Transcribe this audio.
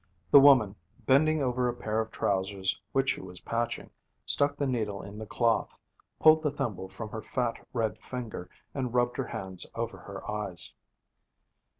The woman, bending over a pair of trousers which she was patching, stuck the needle in the cloth, pulled the thimble from her fat, red finger, and rubbed her hands over her eyes.